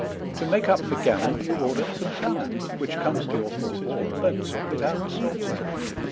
To make up for gammon, You order some salmon, Which comes to your fauces, With boats without sauces.